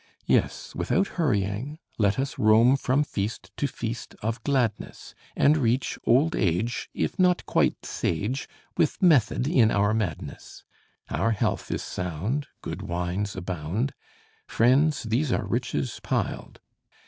Yes, without hurrying, let us roam From feast to feast of gladness; And reach old age, if not quite sage, With method in our madness! Our health is sound, good wines abound; Friends, these are riches piled.